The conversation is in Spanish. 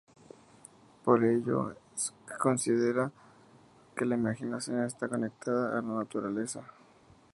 Es por ello que considera que la imaginación está conectada a la naturaleza.